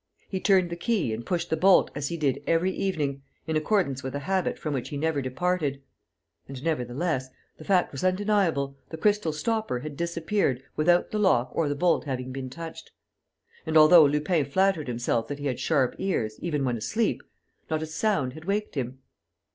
He turned the key and pushed the bolt as he did every evening, in accordance with a habit from which he never departed. And, nevertheless the fact was undeniable the crystal stopper had disappeared without the lock or the bolt having been touched. And, although Lupin flattered himself that he had sharp ears, even when asleep, not a sound had waked him!